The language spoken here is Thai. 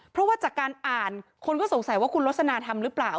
เพราะว่าจากการอ่านคนก็สงสัยว่าคุณลสนาทำหรือเปล่า